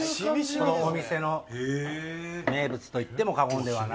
このお店の名物と言っても過言ではない。